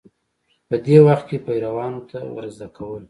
په دې وخت کې پیروانو ته ورزده کول